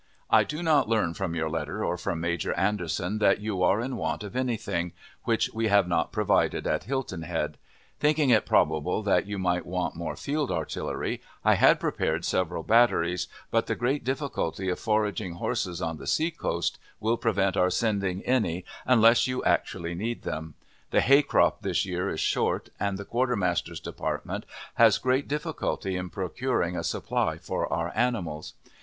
I do not learn from your letter, or from Major Anderson, that you are in want of any thing which we have not provided at Hilton Head. Thinking it probable that you might want more field artillery, I had prepared several batteries, but the great difficulty of foraging horses on the sea coast will prevent our sending any unless you actually need them. The hay crop this year is short, and the Quartermaster's Department has great difficulty in procuring a supply for our animals.